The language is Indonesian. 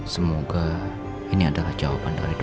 semoga ini adalah jawaban dari doa doa kita